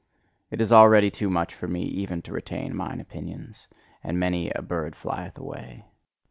It is already too much for me even to retain mine opinions; and many a bird flieth away.